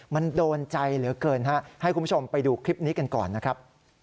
มันโดนใจเหลือเกินฮะให้คุณผู้ชมไปดูคลิปนี้กันก่อนนะครับ